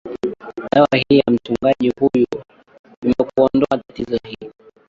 dawa hii ya mchungaji huyu imekuondoa tatizo hilo